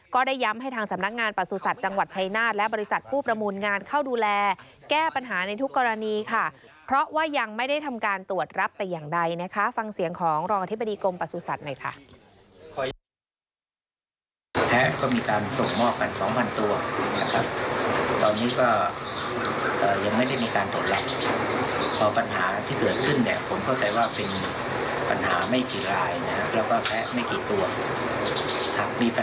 ได้ย้ำให้ทางสำนักงานประสุทธิ์จังหวัดชายนาฏและบริษัทผู้ประมูลงานเข้าดูแลแก้ปัญหาในทุกกรณีค่ะเพราะว่ายังไม่ได้ทำการตรวจรับแต่อย่างใดนะคะฟังเสียงของรองอธิบดีกรมประสุทธิ์หน่อยค่ะ